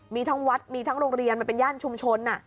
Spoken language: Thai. มีทั้งวัดมีทั้งโรงเรียนมันเป็นย่านชุมชน